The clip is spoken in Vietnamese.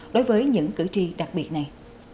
đối với những cử tri đặc biệt này